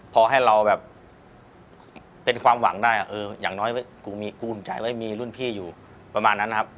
พอให้เราแบบเป็นความหวังได้อย่างน้อยกูมีกูลใจไว้มีรุ่นพี่อยู่ประมาณนั้นนะครับ